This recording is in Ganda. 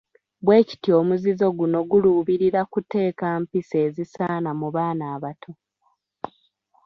Bwe kityo omuzizo guno guluubirira kuteeka mpisa ezisaana mu baana abato.